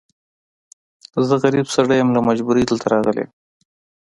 زه غريب سړی يم، له مجبوری دلته راغلی يم.